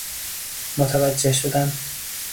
متوجه شدن